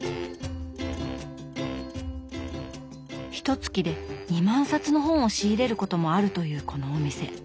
ひとつきで２万冊の本を仕入れることもあるというこのお店。